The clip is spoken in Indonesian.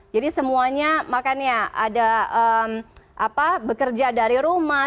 jadi semuanya makanya ada bekerja dari rumah